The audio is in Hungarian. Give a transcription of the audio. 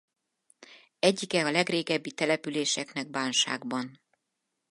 Egyike a legrégebbi településeknek Bánságban.